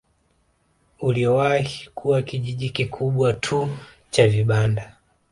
Uliowahi kuwa kijiji kikubwa tu cha vibanda